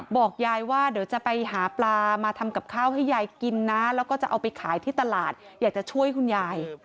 บอกยายว่าเดี๋ยวจะไปหาปลามาทำกับข้าวให้ยายกินนะแล้วก็จะเอาไปขายที่ตลาดอยากจะช่วยคุณยาย